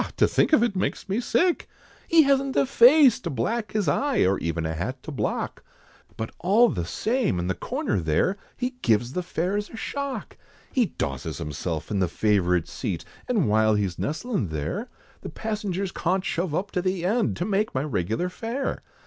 To think of it, makes me sick He hasn't a face, to black his eye, Or even a hat to block, But all the same, in the corner there, He gives the fares a shock! He dosses himself in the favourite seat, And while he's nestlin' there, The passengers cawnt shove up to the end, To make my regular fare.